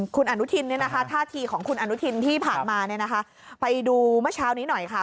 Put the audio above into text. คุณอนุทินท่าทีของคุณอนุทินที่ผ่านมาไปดูเมื่อเช้านี้หน่อยค่ะ